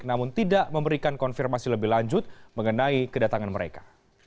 namun tidak memberikan konfirmasi lebih lanjut mengenai kedatangan mereka